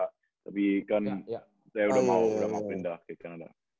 tapi kan saya udah mau pindah ke canada